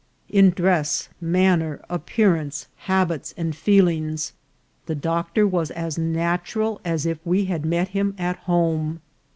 In dress, manner, appearance, habits, and feelings, the doctor was as natural as if we had met him at home.